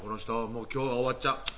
「もう今日が終わっちゃう」